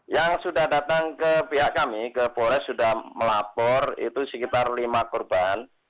yang sudah datang ke pihak kami ke polres sudah melapor itu sekitar lima korban